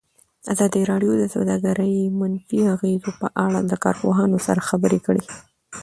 ازادي راډیو د سوداګري د منفي اغېزو په اړه له کارپوهانو سره خبرې کړي.